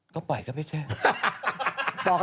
ใครเหรอ